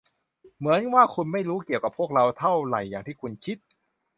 เหมือนว่าคุณไม่รู้เกี่ยวกับพวกเราเท่าไหร่อย่างที่คุณคิด